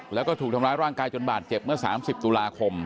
แล้วก็ถูกทำร้ายร่างกายจนบาดเจ็บเมื่อ๓๐ตุลาคม